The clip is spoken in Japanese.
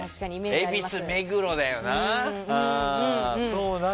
恵比寿、目黒だよな。